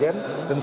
dan seluruh sejarah